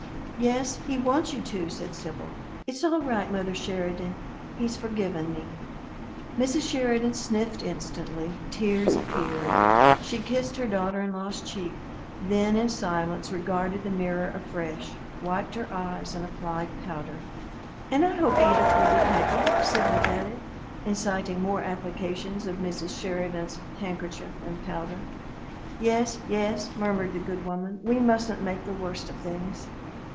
"Yes, he wants you to," said Sibyl. "It's all right, mother Sheridan. He's forgiven me." Mrs. Sheridan sniffed instantly; tears appeared. She kissed her daughter in law's cheek; then, in silence, regarded the mirror afresh, wiped her eyes, and applied powder. "And I hope Edith will be happy," Sibyl added, inciting more applications of Mrs. Sheridan's handkerchief and powder. "Yes, yes," murmured the good woman. "We mustn't make the worst of things."